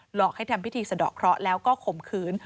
หลอกให้ทำพิธีสะดอกเคราะห์แล้วก็ข่มขืน